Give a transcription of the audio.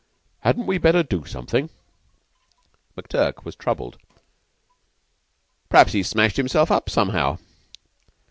Hadn't we better do something?" McTurk was troubled. "P'raps he's smashed himself up somehow."